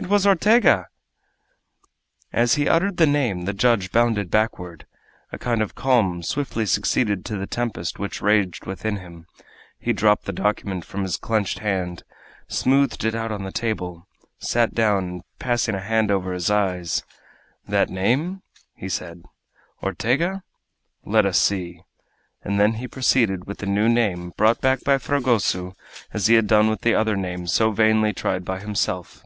It was Ortega!" As he uttered the name the judge bounded backward. A kind of calm swiftly succeeded to the tempest which raged within him. He dropped the document from his clenched hand, smoothed it out on the table, sat down, and, passing his hand over his eyes "That name?" he said "Ortega? Let us see," and then he proceeded with the new name brought back by Fragoso as he had done with the other names so vainly tried by himself.